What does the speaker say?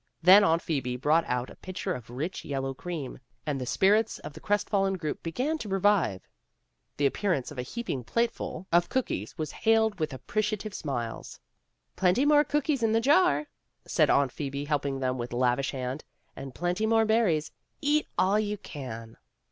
Then Aunt Phoebe brought out a pitcher of rich yellow cream, and the spirits of the crest fallen group began to revive. The appearance of a heaping plate full of 48 PEGGY RAYMOND'S WAY cookies was hailed with appreciative smiles. "Plenty more cookies in the jar," said Aunt Phoebe, helping them with lavish hand. "And plenty more berries. Eat all you can."